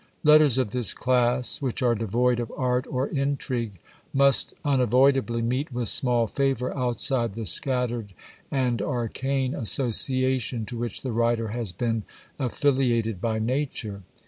Letters of this class, which are devoid of art or intrigue, must unavoidably meet with small favour outside the scattered and arcane association to which the writer has been affiliated by Nature.